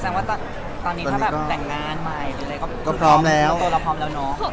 แสดงว่าตอนนี้ถ้าแบบแต่งงานใหม่ก็พร้อมแล้วค่ะ